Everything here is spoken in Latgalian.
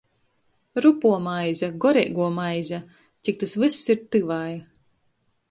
Rupuo maize, goreiguo maize — cik tys vyss ir tyvai.